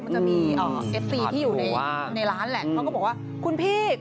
มันจะมีเอฟซีที่อยู่ในร้านแหละเขาก็บอกว่าคุณพี่